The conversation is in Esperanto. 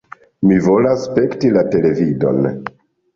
"Mi volas spekti la televidon!"